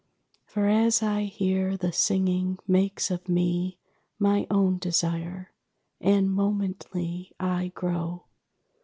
_ _For as I hear, the singing makes of me My own desire, and momently I grow.